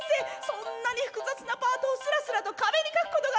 そんなに複雑なパートをスラスラと壁に書くことができるなんて！